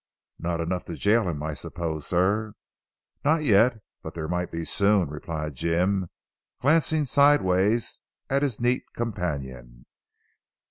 "Not enough to jail him I suppose, sir?" "Not yet, but there might be soon," replied Jim, glancing sideways at his neat companion.